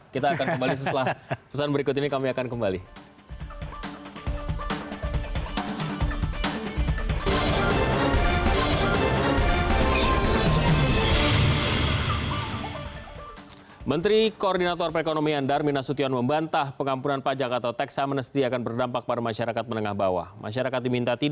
kita akan kembali setelah pesan berikut ini